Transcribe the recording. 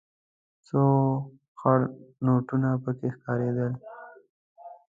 څو خړ نوټونه پکې ښکارېدل.